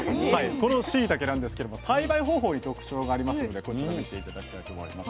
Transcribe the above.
このしいたけなんですけれども栽培方法に特徴がありますのでこちら見て頂きたいと思います。